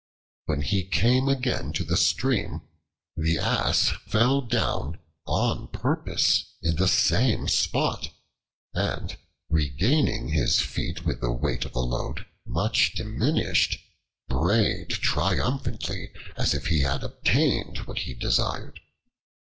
When he came again to the stream, the Ass fell down on purpose in the same spot, and, regaining his feet with the weight of his load much diminished, brayed triumphantly as if he had obtained what he desired.